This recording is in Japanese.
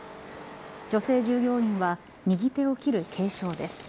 女性従業員は右手を切る軽傷です。